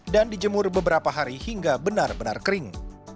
dan dijemur beberapa hari hingga benar benar kering